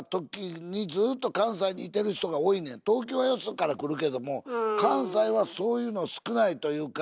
東京はよそから来るけども関西はそういうの少ないというか。